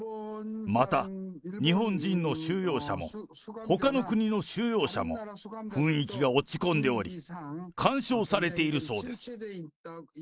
また、日本人の収容者も、ほかの国の収容者も、雰囲気が落ち込んでおり、干渉されているそうです。